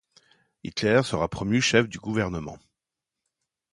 Hitler sera promu chef du gouvernement.